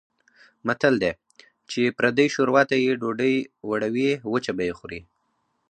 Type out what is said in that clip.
متل دی: چې پردۍ شوروا ته یې ډوډۍ وړوې وچه به یې خورې.